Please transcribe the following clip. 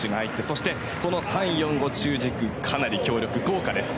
そして３、４、５の中軸はかなり強力で豪華です。